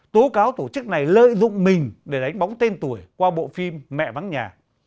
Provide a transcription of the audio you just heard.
tố cáo tổ chức này lợi dụng mình để đánh bóng tên tuổi qua bộ phim mẹ vắng nhà